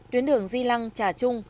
tuyến đường di lăng trà trung